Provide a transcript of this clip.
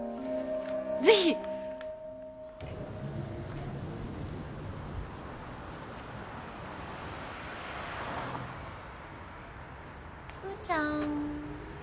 ぜひ！クーちゃん。